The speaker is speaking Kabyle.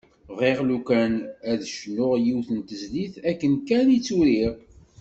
Bɣiɣ lukan ad k-d-cnuɣ yiwet n tezlit akken kan i tt-uriɣ.